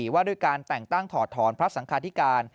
ว่าด้วยการแต่งตั้งถอดถอนพระสังคาธิการ